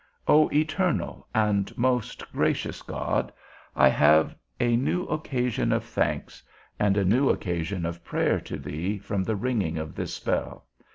O eternal and most gracious God, I have a new occasion of thanks, and a new occasion of prayer to thee from the ringing of this bell.